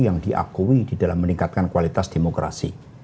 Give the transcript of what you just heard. yang diakui di dalam meningkatkan kualitas demokrasi